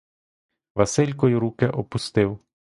Василько й руки опустив.